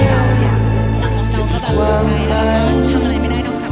เป็นความฝัน